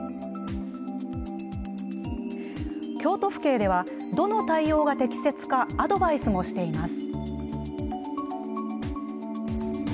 京都府警では、どの対応が適切かアドバイスもしています。